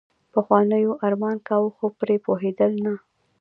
پخوانیو يې ارمان کاوه خو پرې پوهېدل نه.